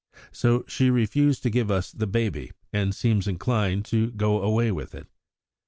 So she refused to give us the baby, and seems inclined to go away with it.